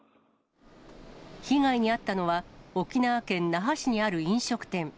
被害に遭ったのは、沖縄県那覇市にある飲食店。